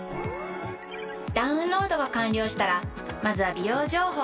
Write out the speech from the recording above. ダウンロードが完了したらまずは「美容情報」をチェック！